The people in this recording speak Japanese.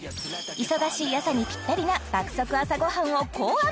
忙しい朝にぴったりな爆速朝ごはんを考案！